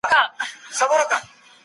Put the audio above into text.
سياست د قدرت د ساتلو مبارزه ده.